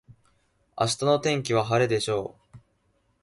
明日の天気は晴れでしょう。